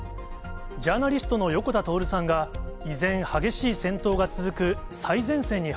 ジャーナリストの横田徹さんが、依然、激しい戦闘が続く最前線に